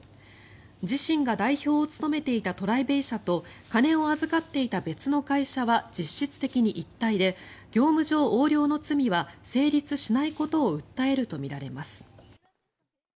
自身が代表を務めていたＴＲＩＢＡＹ社と金を預かっていた別の会社は実質的に一体で業務上横領の罪は成立しないことを訴えるとみられます。